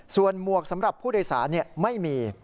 ส่วนหมวกสำหรับผู้โดยสารไม่มี